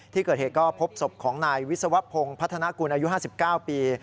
ที่เกิดเหตุก็พบศพของนายวิศวพงศ์พัฒนากุลอายุ๕๙ปี